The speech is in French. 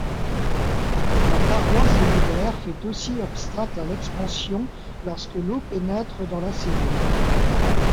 La paroi cellulaire fait aussi obstacle à l'expansion lorsque l'eau pénètre dans la cellule.